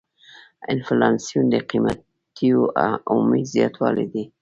انفلاسیون د قیمتونو عمومي زیاتوالی دی.